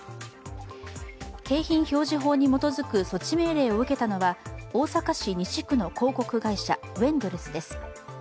景品表示法に基づく措置命令を受けたのは大阪市西区の広告会社Ｗ−ＥＮＤＬＥＳＳです。